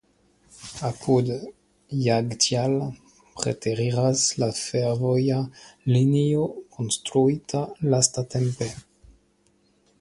Apud Jagtial preteriras la fervoja linio konstruita lastatempe.